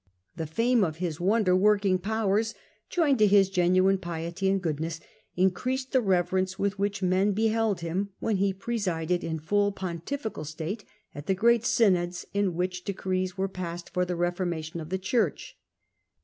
The fame of his wonder working powers, joined to his genuine piety and goodness, increased the rever ence with which men beheld him when he presided in fall pontifical state at the great synods in which decrees were passed for the reformation of the Church.